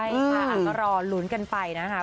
เดี๋ยวเรารอหลุนกันไปนะคะ